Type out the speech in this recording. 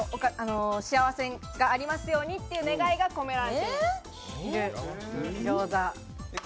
幸せがありますようにっていう願いが込められている。